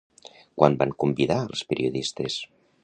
Quan van convidar als periodistes?